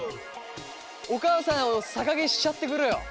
お母さんを逆毛しちゃってくれよ。